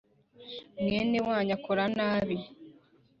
Mwene wanyu akora nabi.